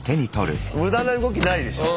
無駄な動きないでしょ。